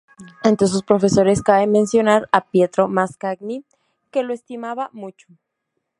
Entre sus profesores cabe mencionar a Pietro Mascagni, que lo estimaba mucho.